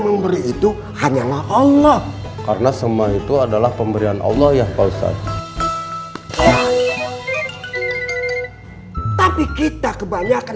memberi itu hanyalah allah karena semua itu adalah pemberian allah ya pak ustadz tapi kita kebanyakan